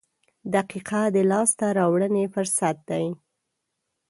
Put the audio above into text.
• دقیقه د لاسته راوړنې فرصت دی.